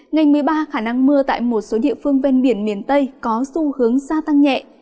ngày một mươi ba khả năng mưa tại một số địa phương ven biển miền tây có xu hướng gia tăng nhẹ